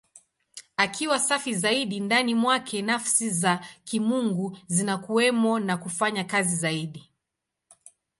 Akiwa safi zaidi, ndani mwake Nafsi za Kimungu zinakuwemo na kufanya kazi zaidi.